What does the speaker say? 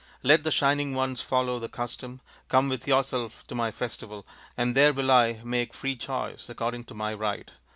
Let the Shining Ones follow the custom, come with yourself to my festival, and there will I make free choice, according to my right.